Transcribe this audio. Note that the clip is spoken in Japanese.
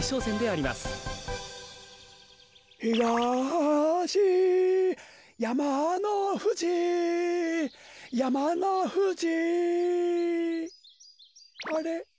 あれ？